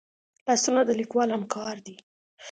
لاسونه د لیکوال همکار دي